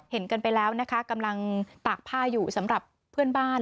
เห็นกันไปแล้วนะคะกำลังตากผ้าอยู่สำหรับเพื่อนบ้าน